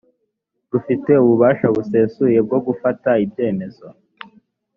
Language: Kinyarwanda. rufite ububasha busesuye bwo gufata ibyemezo